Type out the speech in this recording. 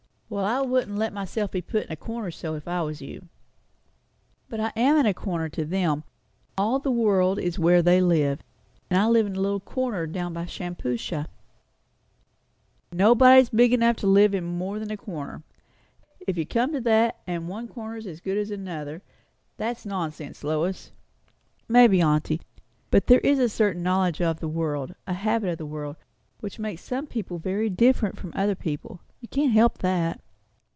"Well, I wouldn't let myself be put in a corner so, if I was you." "But I am in a corner, to them. All the world is where they live; and I live in a little corner down by Shampuashuh." "Nobody's big enough to live in more than a corner if you come to that; and one corner's as good as another. That's nonsense, Lois." "Maybe, aunty. But there is a certain knowledge of the world, and habit of the world, which makes some people very different from other people; you can't help that."